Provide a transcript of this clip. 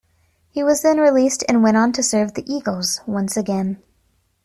He was then released and went on to serve the 'Eagles' once again.